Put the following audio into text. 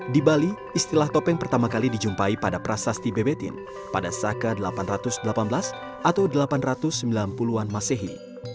di bali istilah topeng pertama kali dijumpai pada prasasti bebetin pada saka delapan ratus delapan belas atau delapan ratus sembilan puluh an masehi